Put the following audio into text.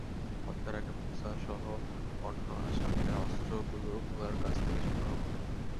হত্যার আগে মুছাসহ অন্য আসামিরা অস্ত্রগুলো ভোলার কাছ থেকে সংগ্রহ করেন।